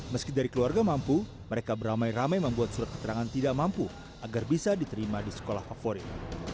meski dari keluarga mampu mereka beramai ramai membuat surat keterangan tidak mampu agar bisa diterima di sekolah favorit